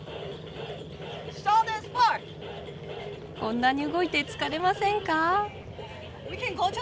こんなに動いて疲れませんか？